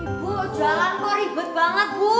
ibu jalan kok ribet banget bu